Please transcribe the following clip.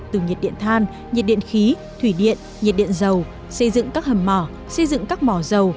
từ nhiệt điện than nhiệt điện khí thủy điện nhiệt điện dầu xây dựng các hầm mỏ xây dựng các mỏ dầu